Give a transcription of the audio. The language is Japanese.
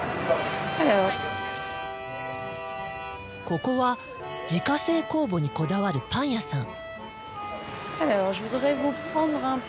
ここは自家製酵母にこだわるパン屋さん。